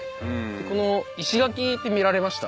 この石垣って見られました？